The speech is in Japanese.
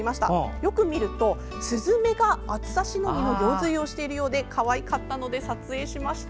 よく見るとスズメが暑さしのぎの行水をしているようでかわいかったので撮影しました。